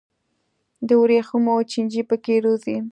د ورېښمو چینجي پکې روزي.